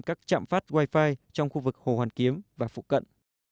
các trạm phát wifi trong khu vực hồ hoàn kiếm và phụ cận